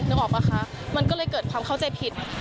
นึกออกป่ะคะมันก็เลยเกิดความเข้าใจผิด